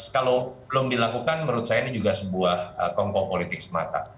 kalau belum dilakukan menurut saya ini juga sebuah kompo politik semata